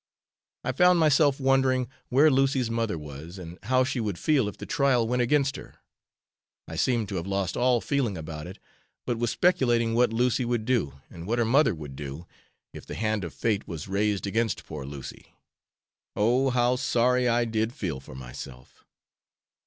I found myself wondering where Lucy's mother was, and how she would feel if the trial went against her; I seemed to have lost all feeling about it, but was speculating what Lucy would do, and what her mother would do, if the hand of Fate was raised against poor Lucy! Oh! how sorry I did feel for myself!